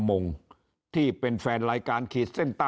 ต้องไปสุดข้อใหม่